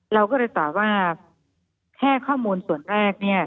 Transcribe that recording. เราก็เลยตอบว่าแค่ข้อมูลส่วนแรกเนี่ย